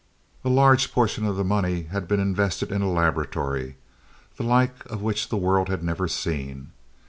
A large portion of the money had been invested in a laboratory, the like of which the world had never seen.